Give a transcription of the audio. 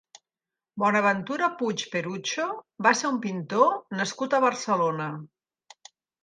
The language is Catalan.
Bonaventura Puig Perucho va ser un pintor nascut a Barcelona.